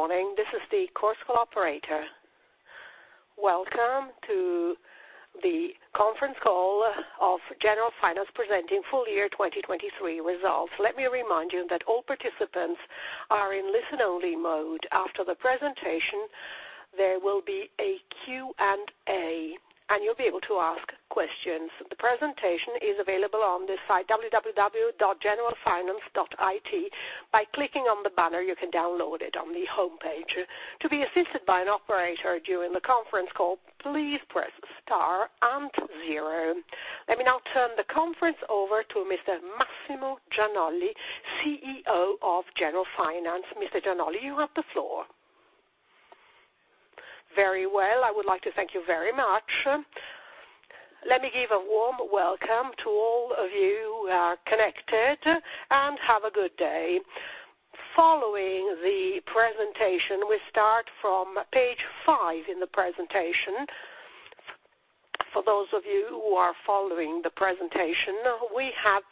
Good morning. This is the Chorus Call operator. Welcome to the conference call of Generalfinance presenting full-year 2023 results. Let me remind you that all participants are in listen-only mode. After the presentation, there will be a Q&A, and you'll be able to ask questions. The presentation is available on the site www.generalfinance.it. By clicking on the banner, you can download it on the homepage. To be assisted by an operator during the conference call, please press star and zero. Let me now turn the conference over to Mr. Massimo Gianolli, CEO of Generalfinance. Mr. Gianolli, you have the floor. Very well. I would like to thank you very much. Let me give a warm welcome to all of you who are connected, and have a good day. Following the presentation, we start from page five in the presentation. For those of you who are following the presentation, we have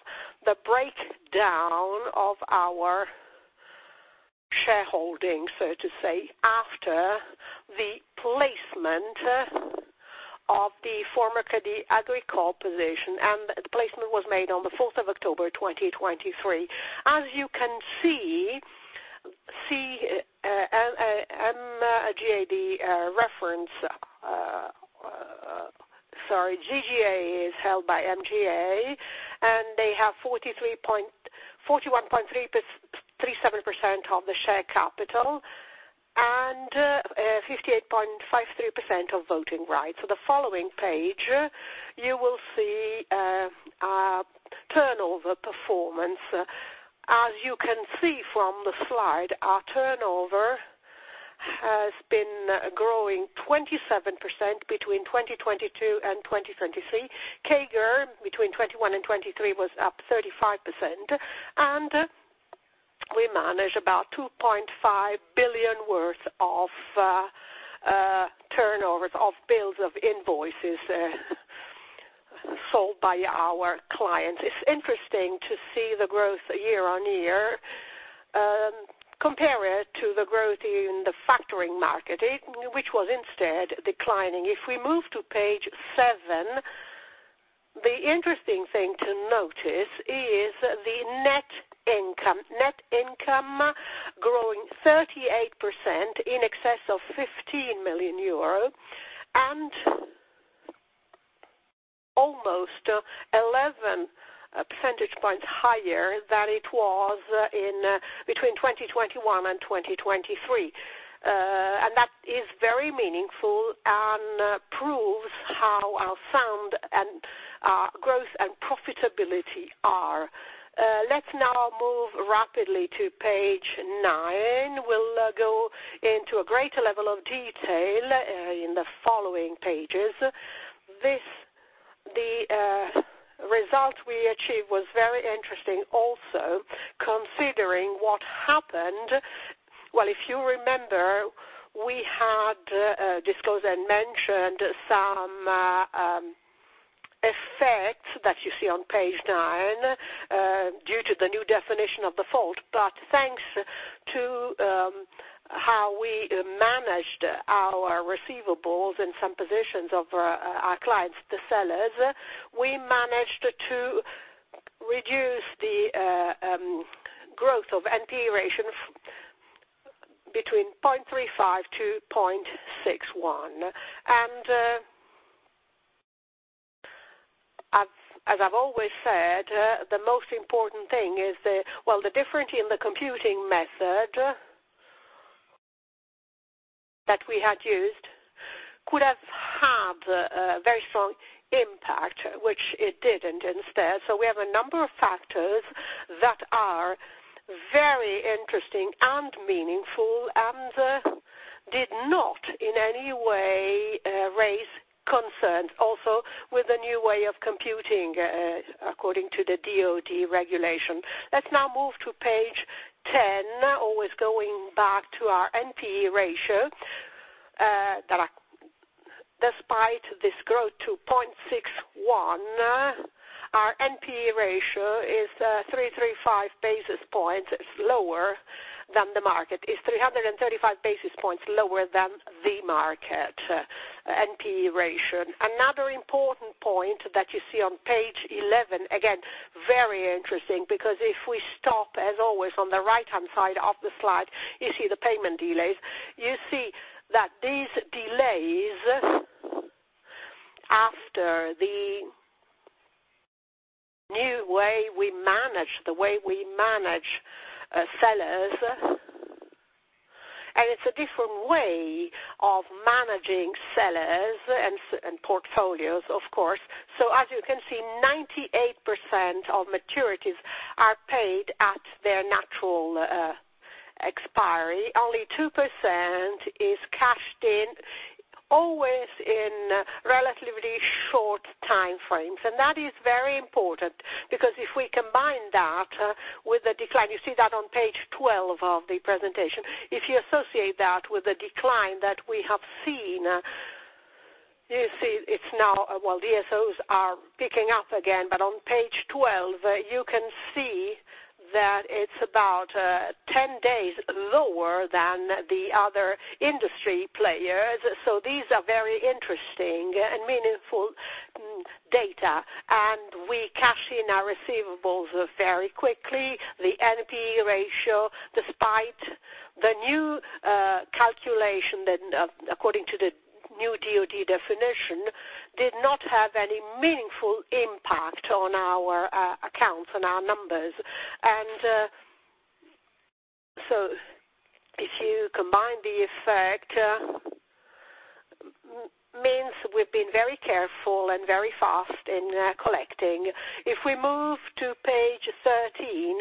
the breakdown of our shareholding, so to say, after the placement of the former Crédit Agricole position, and the placement was made on the 4th of October 2023. As you can see, GGH is held by MGH, and they have 41.37% of the share capital and 58.53% of voting rights. The following page, you will see our turnover performance. As you can see from the slide, our turnover has been growing 27% between 2022 and 2023. CAGR between 2021 and 2023 was up 35%, and we manage about 2.5 billion worth of turnovers of bills, of invoices sold by our clients. It's interesting to see the growth year-over-year. Compare it to the growth in the factoring market, which was instead declining. If we move to page seven, the interesting thing to notice is the net income. Net income growing 38% in excess of 15 million euro, and almost 11 percentage points higher than it was between 2021 and 2023. That is very meaningful and proves how sound our growth and profitability are. Let's now move rapidly to page nine. We'll go into a greater level of detail in the following pages. The result we achieved was very interesting also considering what happened. Well, if you remember, we had disclosed and mentioned some effects that you see on page nine due to the new definition of default. Thanks to how we managed our receivables in some positions of our clients, the sellers, we managed to reduce the growth of NPE ratios between 0.35%-0.61%. As I've always said, well, the difference in the computing method that we had used could have had a very strong impact, which it didn't instead. We have a number of factors that are very interesting and meaningful and did not in any way raise concerns also with the new way of computing according to the DoD regulation. Let's now move to page 10, always going back to our NPE ratio. Despite this growth to 0.61, our NPE ratio is 335 basis points lower than the market. It's 335 basis points lower than the market NPE ratio. Another important point that you see on page 11, again, very interesting because if we stop, as always, on the right-hand side of the slide, you see the payment delays. You see that these delays, after the new way we manage sellers, and it's a different way of managing sellers and portfolios, of course. As you can see, 98% of maturities are paid at their natural expiry. Only 2% is cashed in, always in relatively short time frames. That is very important because if we combine that with the decline, you see that on page 12 of the presentation. If you associate that with the decline that we have seen, you see it's now, well, DSOs are picking up again, but on page 12, you can see that it's about 10 days lower than the other industry players. These are very interesting and meaningful data. We cash in our receivables very quickly. The NPE ratio, despite the new calculation according to the new DoD definition, did not have any meaningful impact on our accounts and our numbers. If you combine the effect, means we've been very careful and very fast in collecting. If we move to page 13,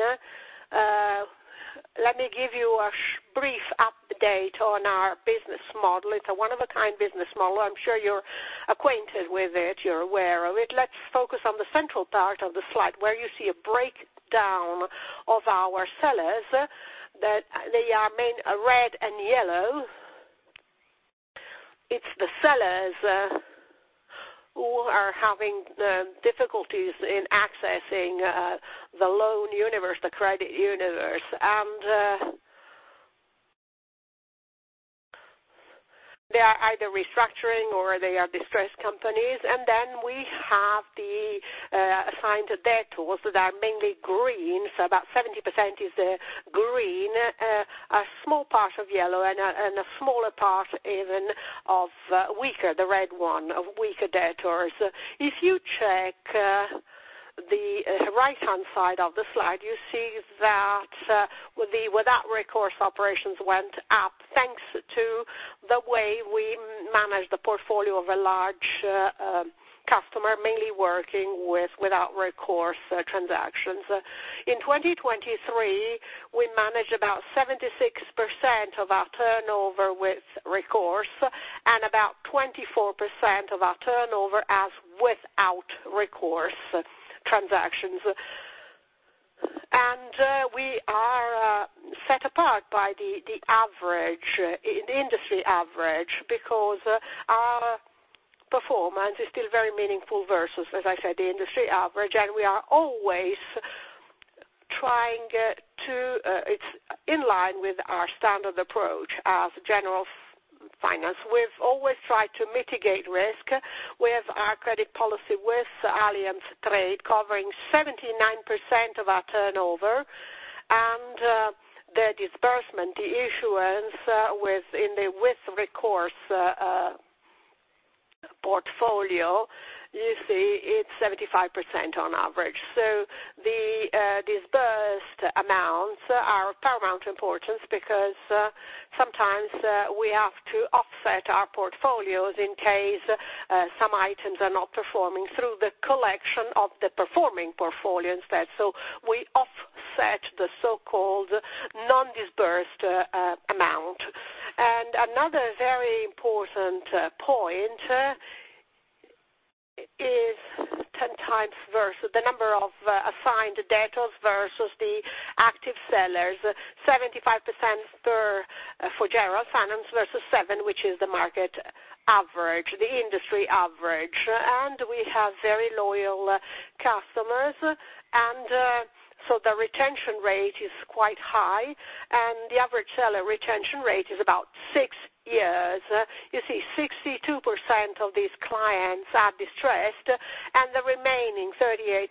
let me give you a brief update on our business model. It's a one-of-a-kind business model. I'm sure you're acquainted with it. You're aware of it. Let's focus on the central part of the slide, where you see a breakdown of our sellers, that they are mainly red and yellow. It's the sellers who are having the difficulties in accessing the loan universe, the credit universe. They are either restructuring or they are distressed companies. We have the assigned debtors that are mainly green. About 70% is green, a small part of yellow and a smaller part even of weaker, the red one, of weaker debtors. If you check the right-hand side of the slide, you see that the without recourse operations went up, thanks to the way we manage the portfolio of a large customer, mainly working with without recourse transactions. In 2023, we managed about 76% of our turnover with recourse and about 24% of our turnover as without recourse transactions. We are set apart by the industry average, because our performance is still very meaningful versus, as I said, the industry average. It's in line with our standard approach as Generalfinance. We've always tried to mitigate risk with our credit policy, with Allianz Trade covering 79% of our turnover and the disbursement, the issuance in the with recourse portfolio, you see it's 75% on average. The disbursed amounts are of paramount importance because sometimes we have to offset our portfolios in case some items are not performing through the collection of the performing portfolio instead. We offset the so-called non-disbursed amount. Another very important point is 10x versus the number of assigned debtors versus the active sellers, 75% for Generalfinance versus seven, which is the market average, the industry average. We have very loyal customers. The retention rate is quite high. The average seller retention rate is about six years. You see 62% of these clients are distressed, and the remaining 38%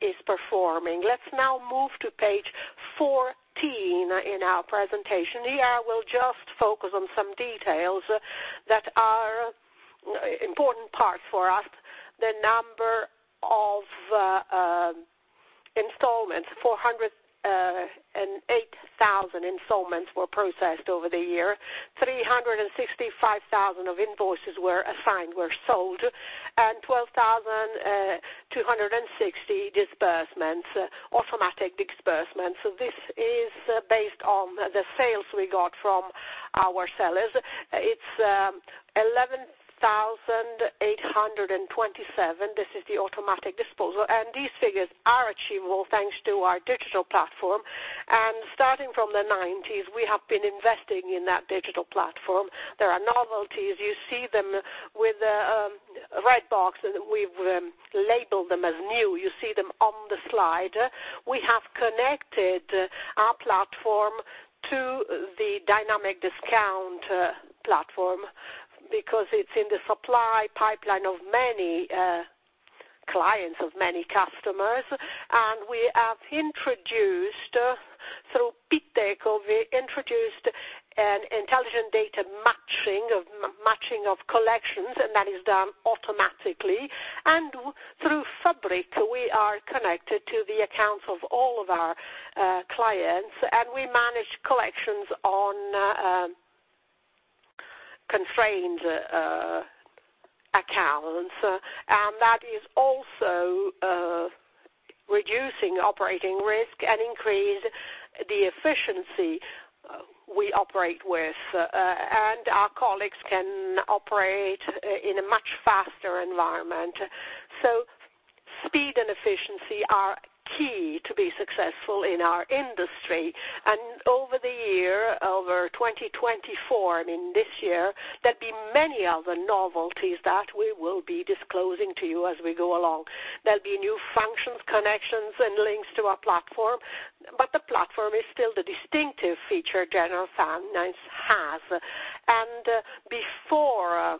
is performing. Let's now move to page 14 in our presentation. Here I will just focus on some details that are important parts for us. The number of installments, 408,000 installments were processed over the year. 365,000 of invoices were assigned, were sold, and 12,260 disbursements, automatic disbursements. This is based on the sales we got from our sellers. It's 11,827. This is the automatic disposal. These figures are achievable thanks to our digital platform. Starting from the 1990s, we have been investing in that digital platform. There are novelties. You see them with a red box, and we've labeled them as new. You see them on the slide. We have connected our platform to the dynamic discounting platform because it's in the supply pipeline of many clients, of many customers. Through Piteco, we introduced an intelligent data matching of collections, and that is done automatically. Through Fabrick, we are connected to the accounts of all of our clients, and we manage collections on constrained accounts. That is also reducing operating risk and increase the efficiency we operate with. Our colleagues can operate in a much faster environment. Speed and efficiency are key to be successful in our industry. Over the year, over 2024, I mean this year, there'll be many other novelties that we will be disclosing to you as we go along. There'll be new functions, connections, and links to our platform. The platform is still the distinctive feature Generalfinance has. Before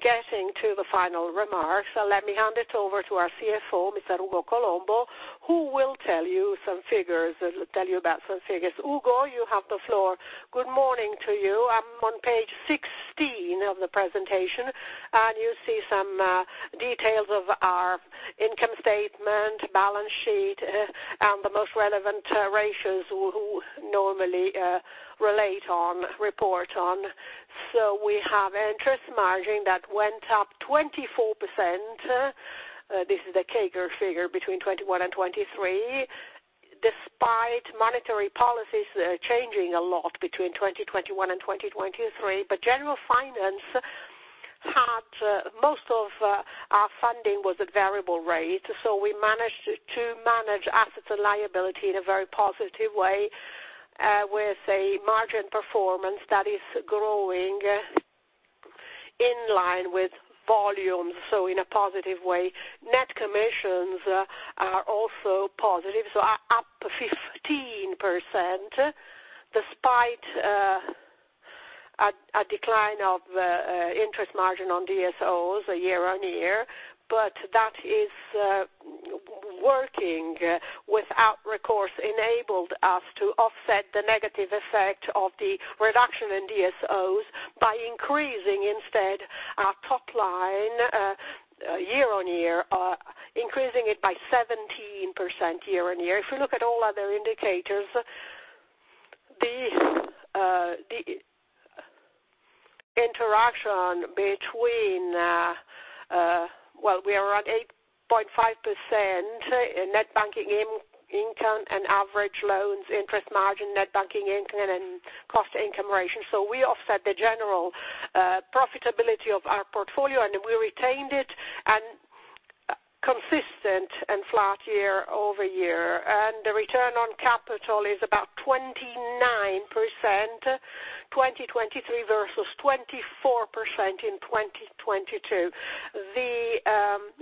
getting to the final remarks, let me hand it over to our CFO, Mr. Ugo Colombo, who will tell you about some figures. Ugo, you have the floor. Good morning to you. I'm on page 16 of the presentation, and you see some details of our income statement, balance sheet, and the most relevant ratios we normally report on. We have interest margin that went up 24%. This is the CAGR figure between 2021 and 2023, despite monetary policies changing a lot between 2021 and 2023. Generalfinance most of our funding was at variable rate, so we managed to manage assets and liability in a very positive way, with a margin performance that is growing in line with volume, so in a positive way. Net commissions are also positive, so are up 15%, despite a decline of interest margin on DSOs year-on-year. That is working without recourse enabled us to offset the negative effect of the reduction in DSOs by increasing instead our top line year-on-year, increasing it by 17% year-on-year. If we look at all other indicators, the interaction between, well, we are at 8.5% net banking income and average loans, interest margin, net banking income and cost-to-income ratio. We offset the general profitability of our portfolio, and we retained it and consistent and flat year-over-year. The return on capital is about 29%, 2023 versus 24% in 2022.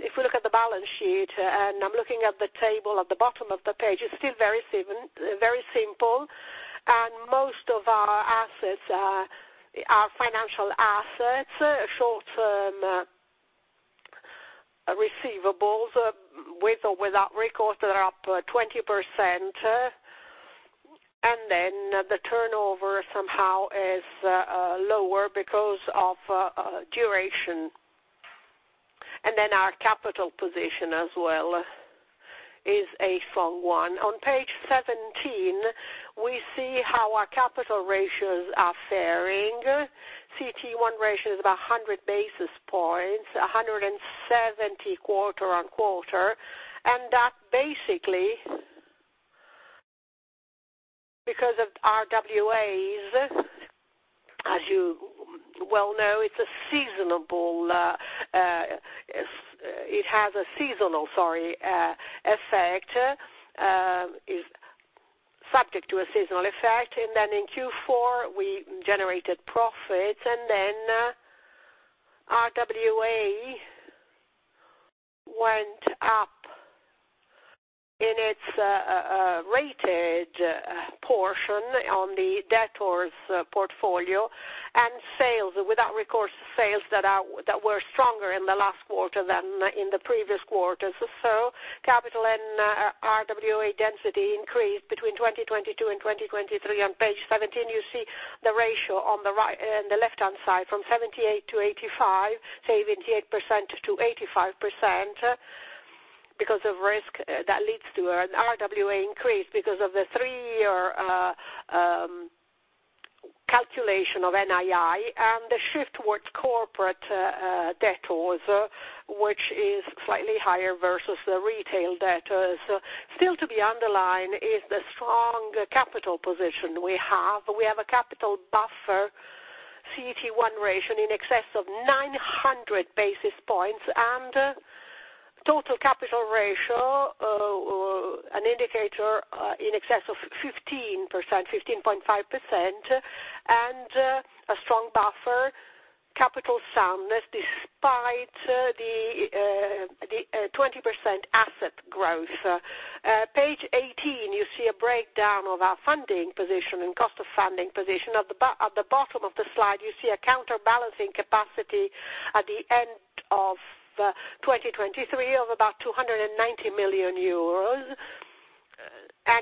If we look at the balance sheet, and I'm looking at the table at the bottom of the page, it's still very simple. Most of our assets are financial assets, short-term receivables, with or without recourse that are up 20%. The turnover somehow is lower because of duration. `And then our capital position as well, is a form one. On page 17, we see our capital ratios are faring. CET1 ratio is about a 100 basis points, a 170 quarter on quarter. And hat basically because of RWAs, as you well know, it has a seasonal effect, is subject to a seasonal effect. Then in Q4, we generate a profit and then RWA went up in it's rated portion on debtor's portfolio and sales without recourse sales that were stronger in the last quarter than in the previous quarter. So the capital RWA density increased between 2022 and 2023 on page 17, you see the ratio on the left-hand side from 78% to 85% because of risk that leads to RWA increase because of the three calculation of NII and shiftward corporate debtors which is slightly higher versus the retail debtors. Still to be underlined is the strong capital position we have. We have a capital buffer CET1 ratio in excess of 900 basis points and total capital ratio, an indicator in excess of 15%, 15.5%, and a strong buffer capital soundness despite the 20% asset growth. Page 18, you see a breakdown of our funding position and cost of funding position. At the bottom of the slide, you see a counterbalancing capacity at the end of 2023 of about 290 million euros.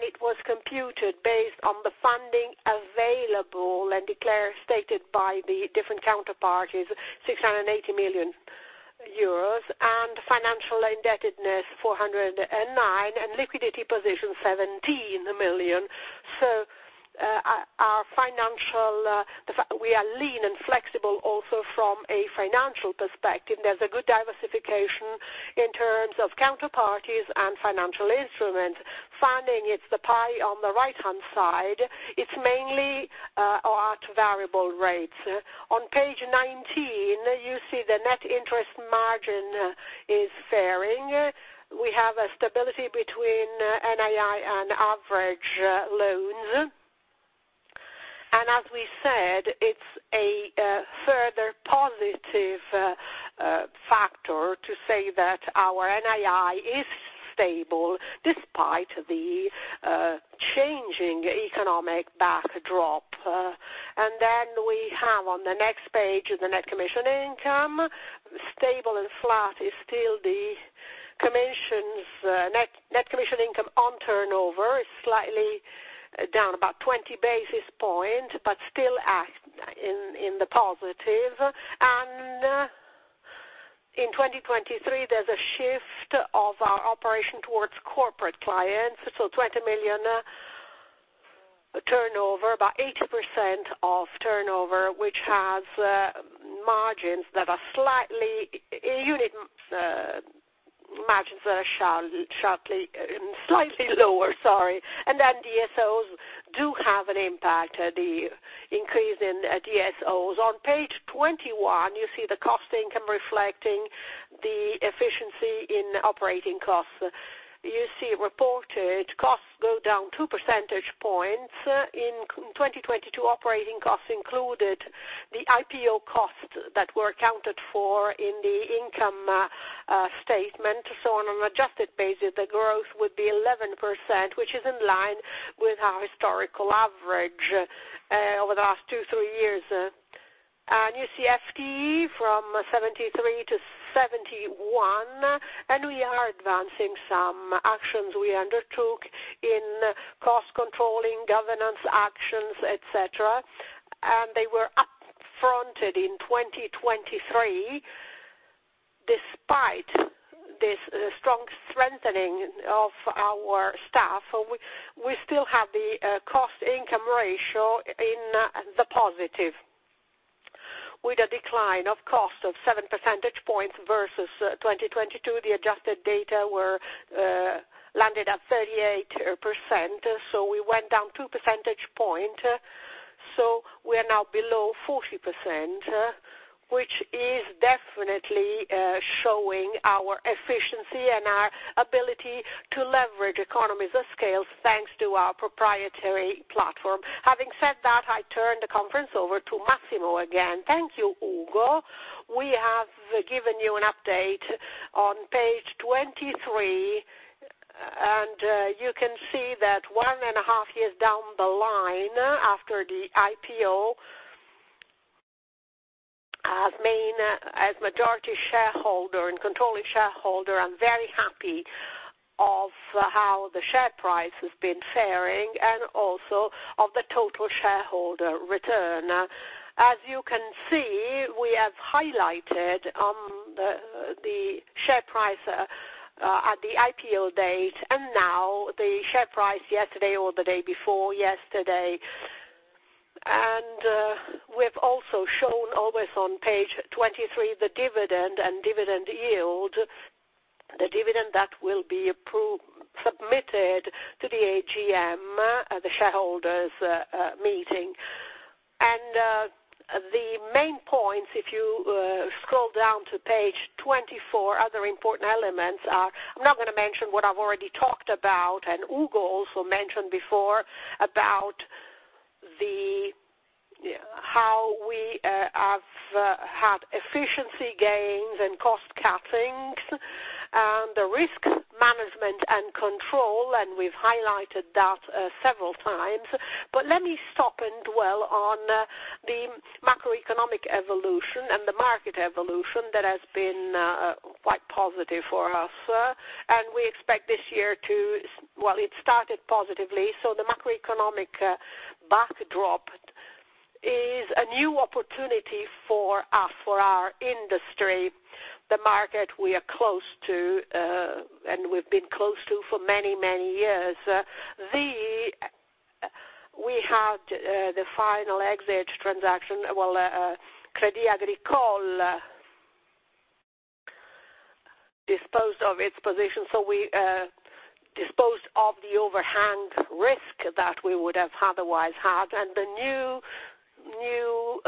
It was computed based on the funding available and declared stated by the different counterparties, 680 million euros, and financial indebtedness, 409, and liquidity position, 17 million. We are lean and flexible also from a financial perspective. There's a good diversification in terms of counterparties and financial instruments. Funding, it's the pie on the right-hand side, it's mainly at variable rates. On page 19, you see the net interest margin is faring. We have a stability between NII and average loans. As we said, it's a further positive factor to say that our NII is stable despite the changing economic backdrop. We have on the next page, the net commission income. Stable and flat is still the net commission income on turnover is slightly down about 20 basis points, but still act in the positive. In 2023, there's a shift of our operation towards corporate clients. 20 million turnover, about 80% of turnover, which has margins that are slightly lower, sorry. DSOs do have an impact, the increase in DSOs. On page 21, you see the cost income reflecting the efficiency in operating costs. You see reported costs go down two percentage points. In 2022, operating costs included the IPO costs that were accounted for in the income statement. On an adjusted basis, the growth would be 11%, which is in line with our historical average over the last two, three years. You see FTE from 73 to 71, and we are advancing some actions we undertook in cost controlling, governance actions, et cetera, and they were up-fronted in 2023. Despite this strong strengthening of our staff, we still have the cost-income ratio in the positive with a decline of cost of seven percentage points versus 2022. The adjusted data were landed at 38%, so we went down 2 percentage points. We are now below 40%, which is definitely showing our efficiency and our ability to leverage economies of scale thanks to our proprietary platform. Having said that, I turn the conference over to Massimo again. Thank you, Ugo. We have given you an update on page 23, and you can see that one and a half years down the line after the IPO, as majority shareholder and controlling shareholder, I'm very happy of how the share price has been faring and also of the total shareholder return. As you can see, we have highlighted on the share price at the IPO date and now the share price yesterday or the day before yesterday. We've also shown always on page 23, the dividend and dividend yield, the dividend that will be submitted to the AGM, the shareholders meeting. The main points, if you scroll down to page 24, other important elements are, I'm not going to mention what I've already talked about, and Ugo also mentioned before about how we have had efficiency gains and cost cuttings and the risk management and control, and we've highlighted that several times. Let me stop and dwell on the macroeconomic evolution and the market evolution that has been quite positive for us. We expect this year to, well, it started positively. The macroeconomic backdrop is a new opportunity for us, for our industry, the market we are close to, and we've been close to for many, many years. We had the final exit transaction, well, Crédit Agricole disposed of its position, so we disposed of the overhang risk that we would have otherwise had and the new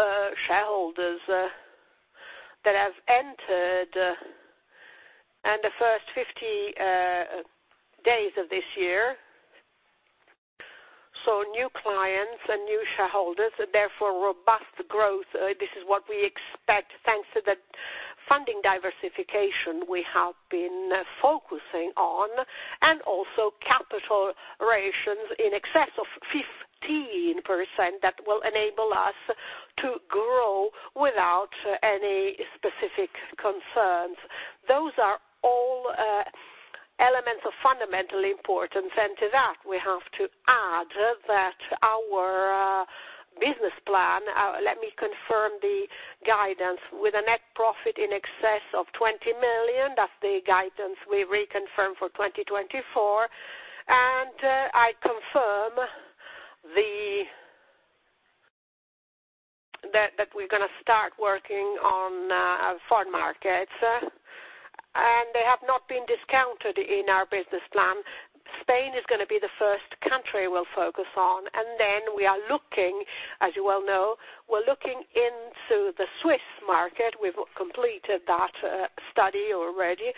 shareholders that have entered in the first 50 days of this year. New clients and new shareholders, therefore robust growth, this is what we expect thanks to the funding diversification we have been focusing on, and also capital ratios in excess of 15% that will enable us to grow without any specific concerns. Those are all elements of fundamental importance. To that, we have to add that our business plan, let me confirm the guidance with a net profit in excess of 20 million. That's the guidance we reconfirm for 2024. I confirm that we're going to start working on foreign markets. They have not been discounted in our business plan. Spain is going to be the first country we'll focus on, and then we are looking, as you well know, we're looking into the Swiss market. We've completed that study already.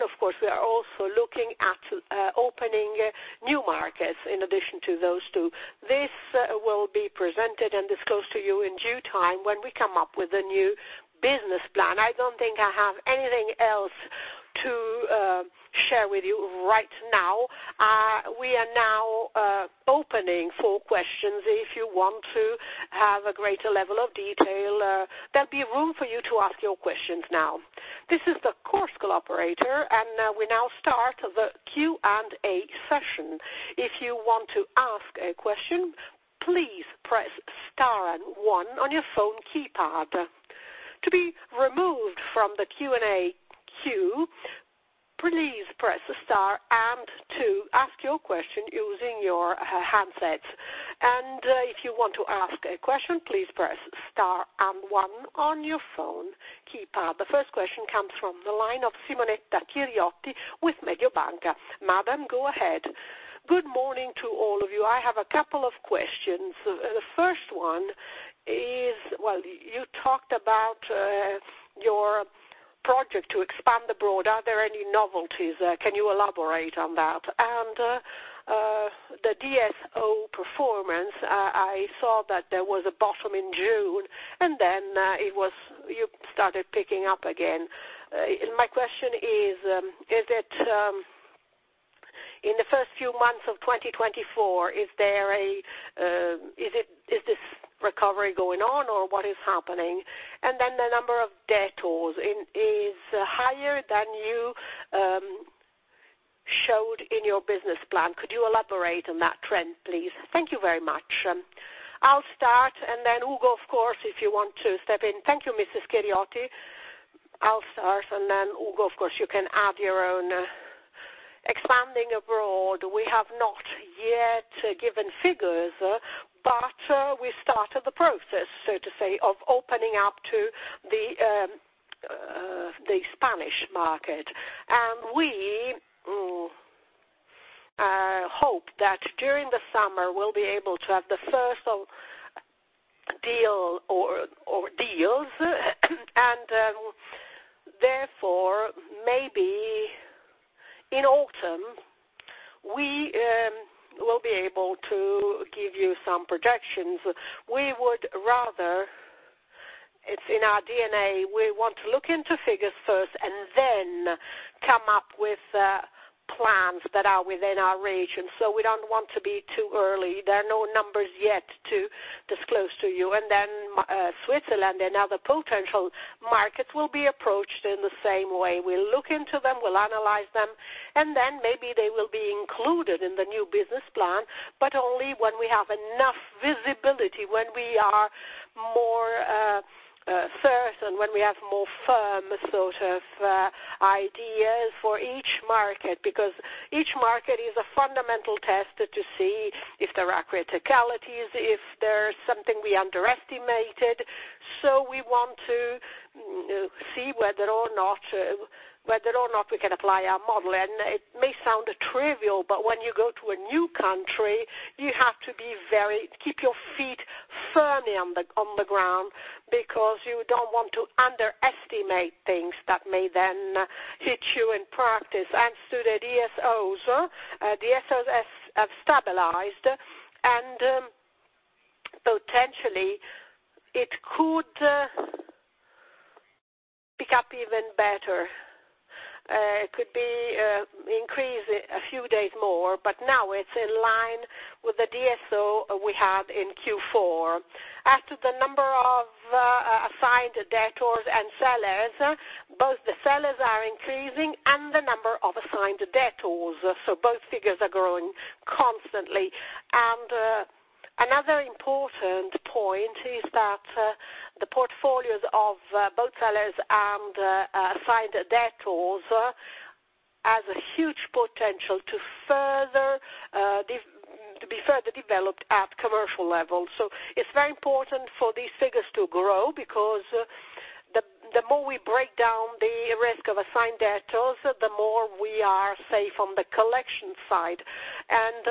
Of course, we are also looking at opening new markets in addition to those two. This will be presented and disclosed to you in due time when we come up with a new business plan. I don't think I have anything else to share with you right now. We are now opening for questions. If you want to have a greater level of detail, there'll be room for you to ask your questions now. This is the Chorus Call Operator, and we now start the Q&A session. If you want to ask a question, please press star and one on your phone keypad. To be removed from the Q&A queue, please press star and two. Ask your question using your handsets. If you want to ask a question, please press star and one on your phone keypad. The first question comes from the line of Simonetta Chiriotti with Mediobanca. Madam, go ahead. Good morning to all of you. I have a couple of questions. The first one is, you talked about your project to expand abroad. Are there any novelties? Can you elaborate on that? The DSO performance, I saw that there was a bottom in June, and then you started picking up again. My question is, in the first few months of 2024, is this recovery going on, or what is happening? The number of debtors is higher than you showed in your business plan. Could you elaborate on that trend, please? Thank you very much. I'll start, and then Ugo, of course, if you want to step in. Thank you, Mrs. Chiriotti. I'll start, and then Ugo, of course, you can add your own. Expanding abroad, we have not yet given figures, but we started the process, so to say, of opening up to the Spanish market. We hope that during the summer, we'll be able to have the first deal or deals, and therefore maybe in autumn, we will be able to give you some projections. We would rather, it's in our DNA, we want to look into figures first and then come up with plans that are within our reach. We don't want to be too early. There are no numbers yet to disclose to you. Switzerland and other potential markets will be approached in the same way. We'll look into them, we'll analyze them, and then maybe they will be included in the new business plan, but only when we have enough visibility, when we are more certain, when we have more firm sort of ideas for each market. Because each market is a fundamental test to see if there are criticalities, if there's something we underestimated. We want to see whether or not we can apply our model. It may sound trivial, but when you go to a new country, you have to keep your feet firmly on the ground because you don't want to underestimate things that may then hit you in practice. To the DSOs have stabilized, and potentially it could pick up even better. It could be increased a few days more, but now it's in line with the DSO we had in Q4. As to the number of assigned debtors and sellers, both the sellers are increasing and the number of assigned debtors. Both figures are growing constantly. Another important point is that the portfolios of both sellers and assigned debtors has a huge potential to be further developed at commercial levels. It's very important for these figures to grow, because the more we break down the risk of assigned debtors, the more we are safe on the collection side.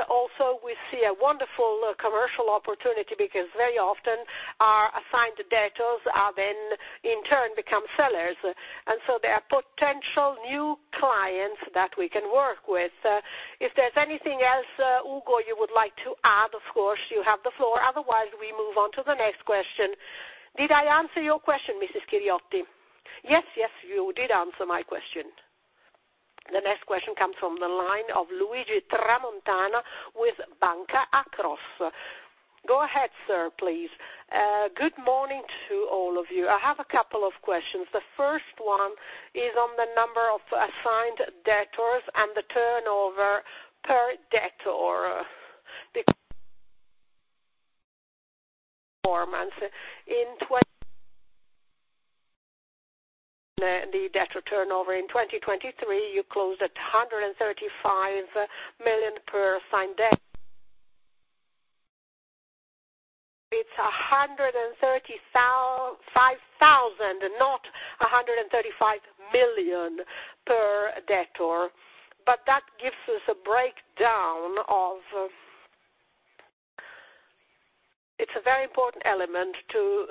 Also we see a wonderful commercial opportunity because very often our assigned debtors are then in turn become sellers. They are potential new clients that we can work with. If there's anything else, Ugo, you would like to add, of course you have the floor. Otherwise we move on to the next question. Did I answer your question, Mrs. Chiriotti? Yes. You did answer my question. The next question comes from the line of Luigi Tramontana with Banca Akros. Go ahead, sir, please. Good morning to all of you. I have a couple of questions. The first one is on the number of assigned debtors and the turnover per debtor. Because four months. In the debtor turnover in 2023, you closed at 135 million per assigned debtor. It's 135,000, not 135 million per debtor. That gives us a breakdown of. It's a very important element to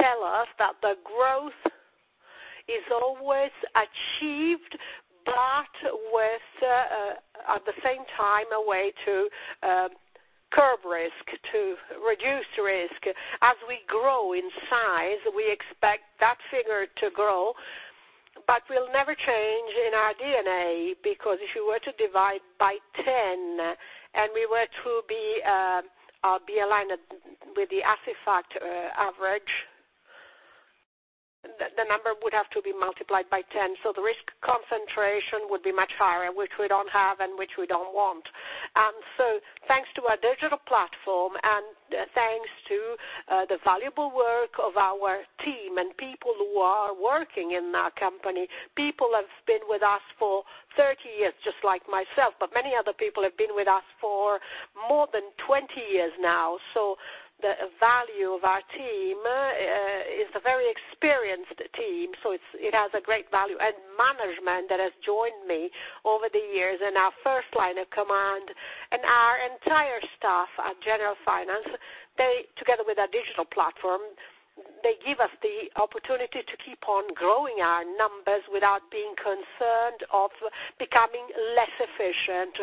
tell us that the growth is always achieved, but at the same time, a way to curb risk, to reduce risk. As we grow in size, we expect that figure to grow, but will never change in our DNA, because if you were to divide by 10 and we were to be aligned with the Assifact average, the number would have to be multiplied by 10. The risk concentration would be much higher, which we don't have and which we don't want. Thanks to our digital platform, and thanks to the valuable work of our team and people who are working in our company, people have been with us for 30 years, just like myself, but many other people have been with us for more than 20 years now. The value of our team is a very experienced team, so it has a great value. Management that has joined me over the years, and our first line of command, and our entire staff at Generalfinance, they, together with our digital platform, they give us the opportunity to keep on growing our numbers without being concerned of becoming less efficient.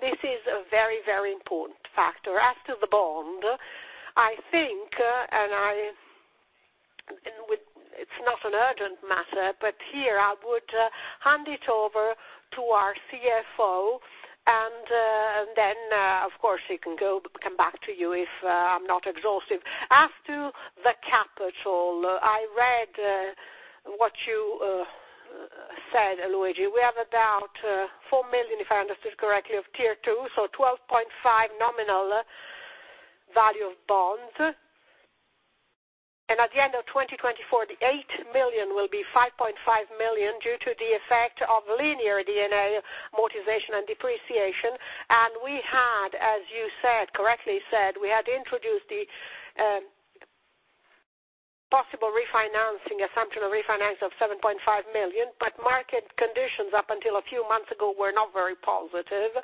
This is a very, very important factor. As to the bond, I think, and it's not an urgent matter, but here I would hand it over to our CFO and then, of course, he can come back to you if I'm not exhaustive. As to the capital, I read what you said, Luigi. We have about 4 million, if I understood correctly, of Tier 2, so 12.5 nominal value of bond. At the end of 2024, the 8 million will be 5.5 million due to the effect of linear amortization and depreciation. As you correctly said, we had introduced the possible refinancing assumption of refinance of 7.5 million, but market conditions up until a few months ago were not very positive.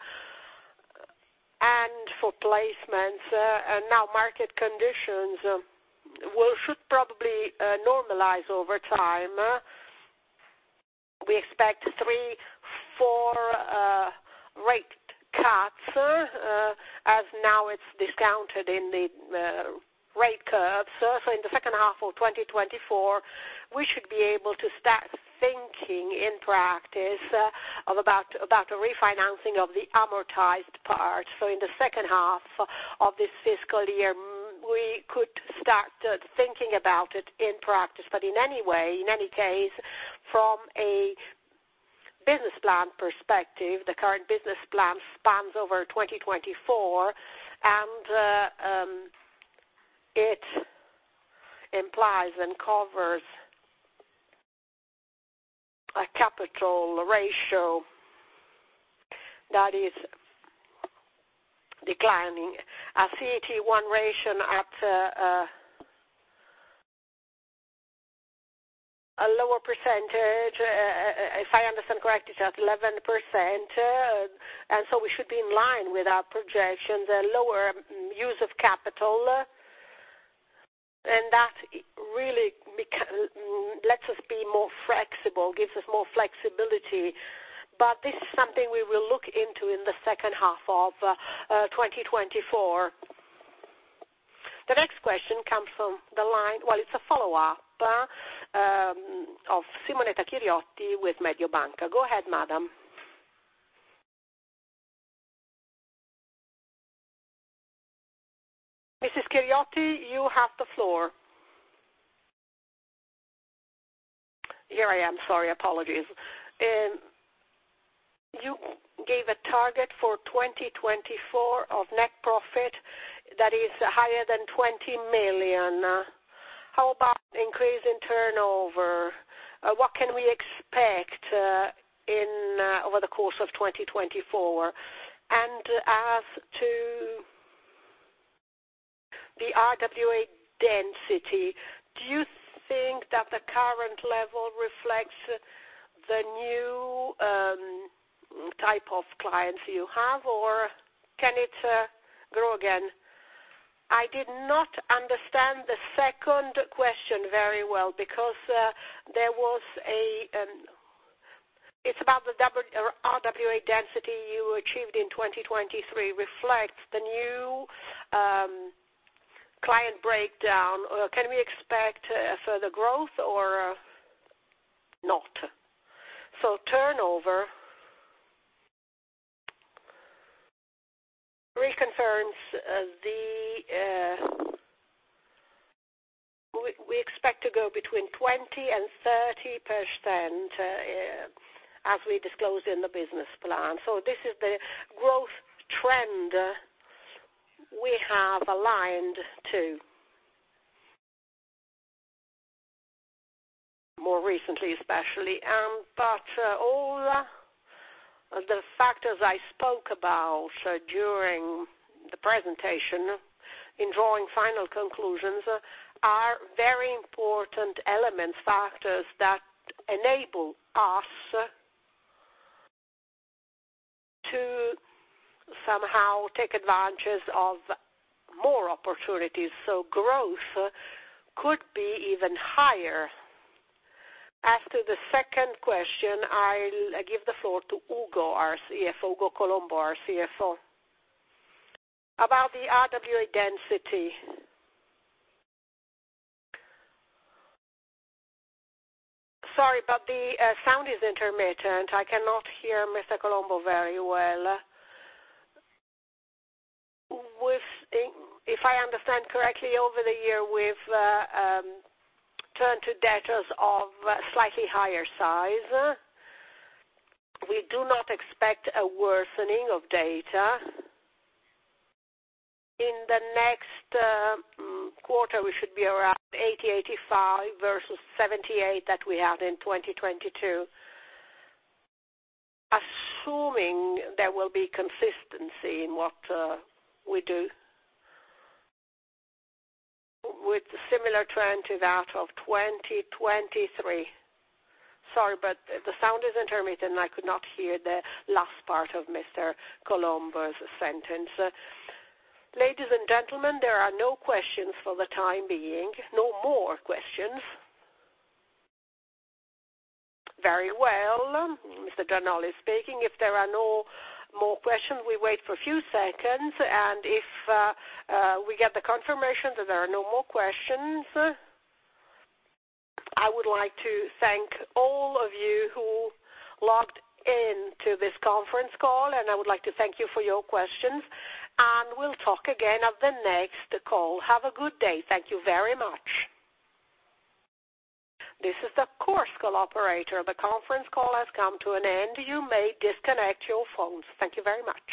For placements, now market conditions should probably normalize over time. We expect three-four rate cuts, as now it's discounted in the rate curves. In the second half of 2024, we should be able to start thinking in practice about a refinancing of the amortized part. In the second half of this fiscal year, we could start thinking about it in practice. In any way, in any case, from a business plan perspective, the current business plan spans over 2024, and it implies and covers a capital ratio that is declining. A CET1 ratio at a lower percentage, if I understand correctly, it's at 11%. We should be in line with our projections and lower use of capital. That really lets us be more flexible, gives us more flexibility. This is something we will look into in the second half of 2024. The next question comes from the line, well, it's a follow-up of Simonetta Chiriotti with Mediobanca. Go ahead, madam. Mrs. Chiriotti, you have the floor. Here I am. Sorry, apologies. You gave a target for 2024 of net profit that is higher than 20 million. How about increase in turnover? What can we expect over the course of 2024? As to the RWA density, do you think that the current level reflects the new type of clients you have, or can it grow again? I did not understand the second question very well. It's about the RWA density you achieved in 2023 reflects the new client breakdown, or can we expect a further growth or not? We expect to go between 20% and 30% as we disclose in the business plan. This is the growth trend we have aligned to. More recently, especially. All the factors I spoke about during the presentation, in drawing final conclusions, are very important elements, factors that enable us to somehow take advantages of more opportunities so growth could be even higher. As to the second question, I'll give the floor to Ugo Colombo, our CFO, about the RWA density. Sorry, but the sound is intermittent. I cannot hear Mr. Colombo very well. If I understand correctly, over the year, we've turned to debtors of slightly higher size. We do not expect a worsening of debtors. In the next quarter, we should be around 80%-85% versus 78% that we had in 2022, assuming there will be consistency in what we do, with similar trend to that of 2023. Sorry, but the sound is intermittent. I could not hear the last part of Mr. Colombo's sentence. Ladies and gentlemen, there are no questions for the time being. No more questions. Very well. Mr. Gianolli is speaking. If there are no more questions, we wait for a few seconds. If we get the confirmation that there are no more questions, I would like to thank all of you who logged in to this conference call. I would like to thank you for your questions, and we'll talk again at the next call. Have a good day. Thank you very much. This is the Chorus Call operator. The conference call has come to an end. You may disconnect your phones. Thank you very much.